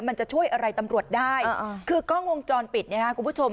มันจะช่วยอะไรตำรวจได้คือกล้องวงจรปิดเนี่ยค่ะคุณผู้ชม